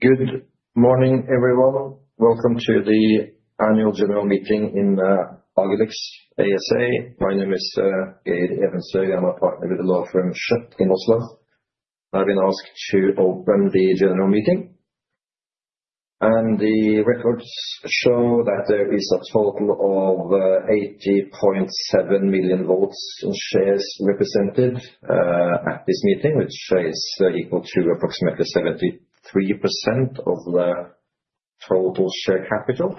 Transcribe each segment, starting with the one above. Good morning, everyone. Welcome to the annual general meeting in Agilyx ASA. My name is Geir Evensberget. I'm a partner with the law firm Schjødt in Oslo. I've been asked to open the general meeting. The records show that there is a total of 80.7 million votes, and shares represented at this meeting, which is equal to approximately 73% of the total share capital.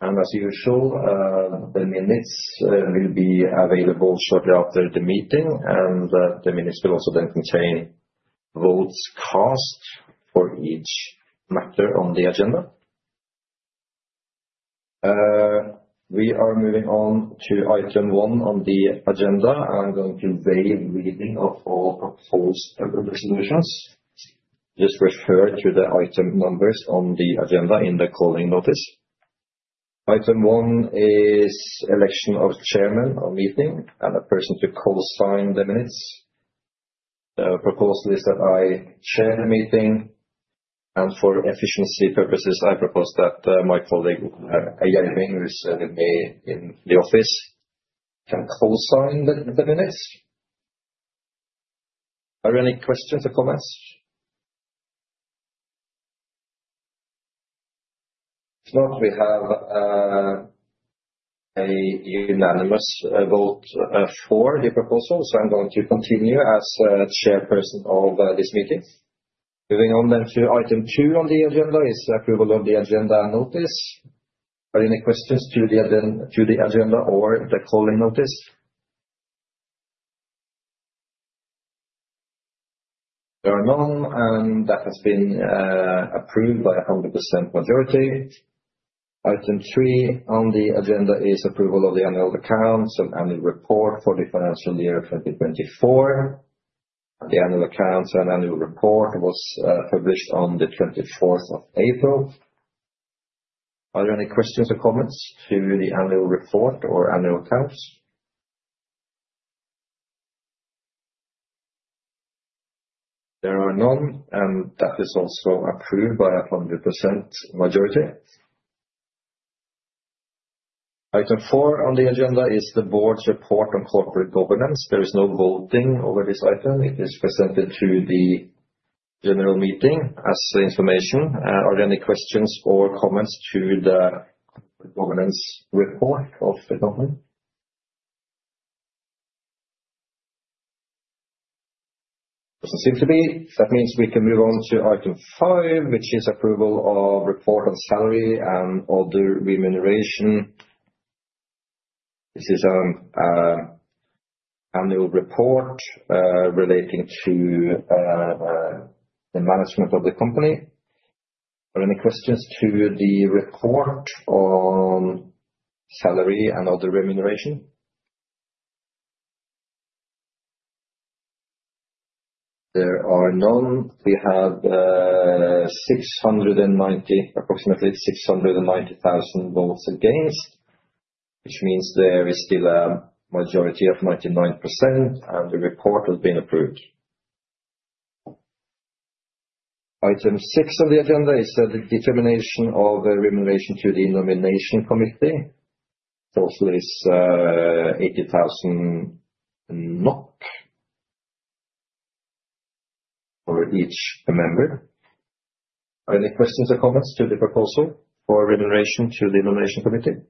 As usual, the minutes will be available shortly after the meeting, and the minutes will also then contain votes cast for each matter on the agenda. We are moving on to item one on the agenda. I'm going to convey reading of all proposed resolutions. Just refer to the item numbers on the agenda in the calling notice. Item one is election of chairman of meeting and a person to co-sign the minutes. The proposal is that I chair the meeting, and for efficiency purposes, I propose that my colleague, Vemund Mjelde, with me in the office, can co-sign the minutes. Are there any questions or comments? If not, we have a unanimous vote for the proposal, so I'm going to continue as chairperson of this meeting. Moving on to Item two on the agenda is approval of the agenda and notice. Are any questions to the agenda or the calling notice? There are none, and that has been approved by a 100% majority. Item three on the agenda is approval of the annual accounts, and annual report for the financial year 2024. The annual accounts and annual report was published on the 24th of April. Are there any questions or comments to the annual report or annual accounts? There are none, and that is also approved by a 100% majority. Item four on the agenda is the board's report on corporate governance. There is no voting over this item. It is presented to the general meeting as information. Are there any questions or comments to the governance report of the government? Doesn't seem to be. That means we can move on to item five, which is approval of report on salary, and other remuneration. This is a annual report relating to the management of the company. Are there any questions to the report on salary and other remuneration? There are none. We have approximately 690,000 votes against, which means there is still a majority of 99%. The report has been approved. Item six on the agenda is the determination of remuneration to the nomination committee. Total is NOK 80,000 for each member. Are any questions or comments to the proposal for remuneration to the nomination committee?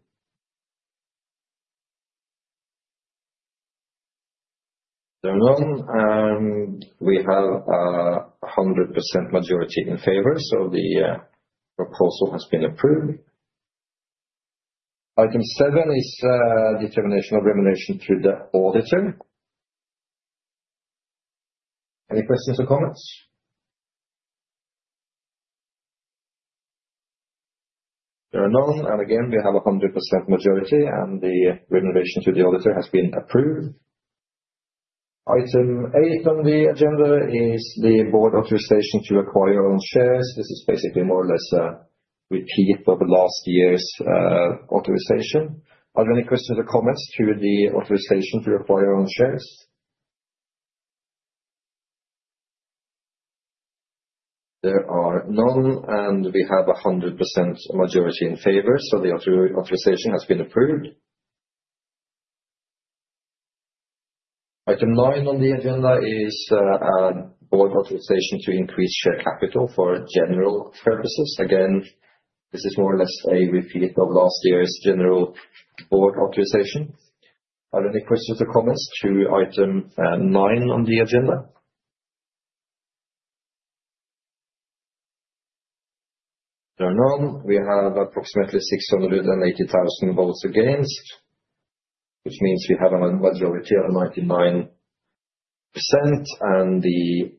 There are none, and we have a 100% majority in favor. The proposal has been approved. Item seven is determination of remuneration to the auditor. Any questions or comments? There are none, and again, we have a 100% majority. The remuneration to the auditor has been approved. Item eight on the agenda is the board authorization to acquire own shares. This is basically more or less a repeat of last year's authorization. Are there any questions, and comments to the authorization to acquire own shares? There are none. We have 100% majority in favor, the authorization has been approved. Item nine on the agenda is board authorization to increase share capital for general purposes. Again, this is more or less a repeat of last year's general board authorization. Are there any questions or comments to item nine on the agenda? There are none. We have approximately 680,000 votes against, which means we have a majority of 99%, the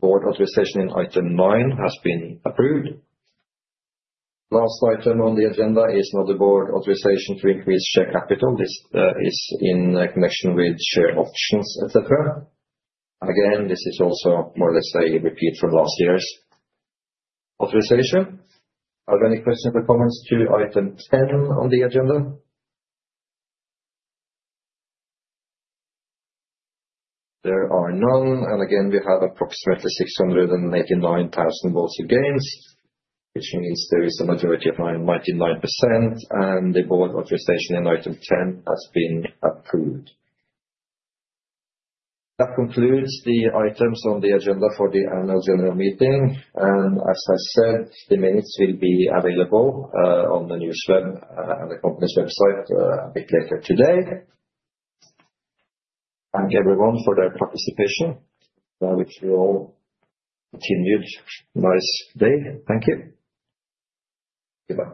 board authorization in item nine has been approved. Last item on the agenda is now the board authorization to increase share capital. This is in connection with share options, et cetera. Again, this is also more or less a repeat from last year's authorization. Are there any questions and comments to item ten on the agenda? There are none. Again, we have approximately 689,000 votes against, which means there is a majority of 99%, the board authorization in item ten has been approved. That concludes the items on the agenda for the annual general meeting. As I said, the minutes will be available on the NewsWeb and the company's website a bit later today. Thank everyone for their participation. I wish you all continued nice day. Thank you. Goodbye.